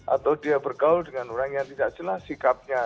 atau dia bergaul dengan orang yang tidak jelas sikapnya